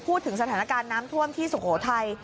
พูดถึงสถานการณ์น้ำท่วมที่สุโขทัย